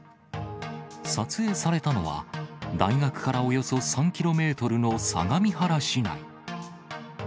撮影されたのは、大学からおよそ３キロメートルの相模原市内。